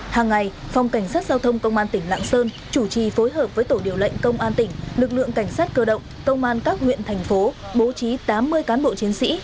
hàng ngày phòng cảnh sát giao thông công an tỉnh lạng sơn chủ trì phối hợp với tổ điều lệnh công an tỉnh lực lượng cảnh sát cơ động công an các huyện thành phố bố trí tám mươi cán bộ chiến sĩ